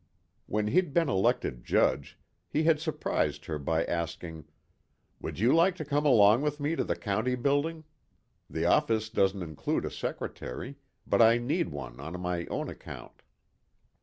When he'd been elected judge, he had surprised her by asking, "Would you like to come along with me to the County Building? The office doesn't include a secretary, but I need one on my own account."